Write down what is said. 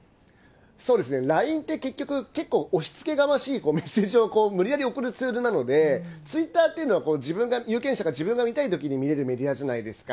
そうですね、ＬＩＮＥって、結局、結構、押しつけがましいメッセージを無理やり送るツールなので、ツイッターっていうのは、有権者が自分が見たいときに見れるメディアじゃないですか。